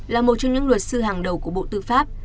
là một trong những luật sư hàng đầu của bộ tư pháp